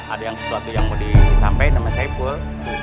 ada yang sesuatu yang mau disampaikan sama saiful